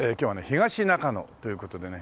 東中野という事でね。